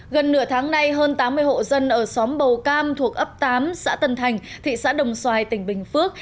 gần nửa tháng nay hơn tám mươi hộ dân ở xóm bầu cam thuộc ấp tám xã tân thành thị xã đồng xoài tỉnh bình phước